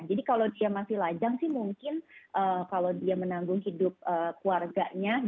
jadi kalau dia masih lajang sih mungkin kalau dia menanggung hidup keluarganya